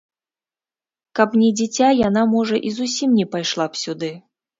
Каб не дзіця, яна, можа, і зусім не пайшла б сюды.